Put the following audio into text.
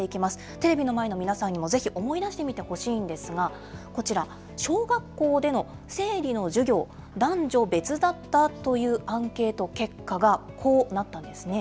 テレビの前の皆さんにもぜひ思い出してみてほしいんですが、こちら、小学校での生理の授業、男女別だったというアンケート結果がこうなったんですね。